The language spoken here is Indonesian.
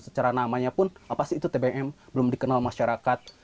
secara namanya pun apa sih itu tbm belum dikenal masyarakat